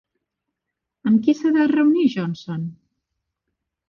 Amb qui s'ha de reunir Johnson?